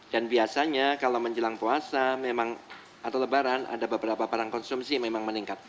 dan biasanya kalau menjelang puasa atau lebaran ada beberapa barang konsumsi yang memang meningkat